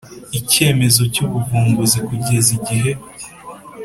icyemezo cy ubuvumbuzi kugeza igihe